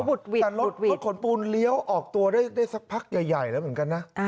แต่รถขนปูนเลี้ยวออกตัวได้สักพักใหญ่แล้วเหมือนกันนะ